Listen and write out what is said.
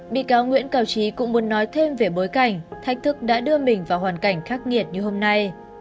bị cáo nguyễn cao trí cũng muốn nói thêm về bối cảnh thách thức đã đưa mình vào hoàn cảnh khắc nghiệt như hôm nay